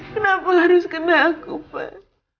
kenapa harus kena aku pak